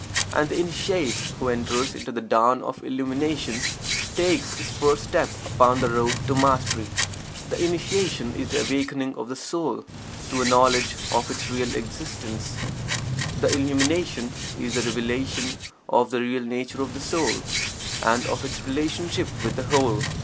And the Initiate who enters into the dawn of Illumination takes his first step upon the road to Mastery. The Initiation is the awakening of the soul to a knowledge of its real existence the Illumination is the revelation of the real nature of the soul, and of its relationship with the Whole.